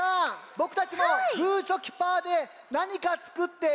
ボクたちもグーチョキパーでなにかつくっていいですか？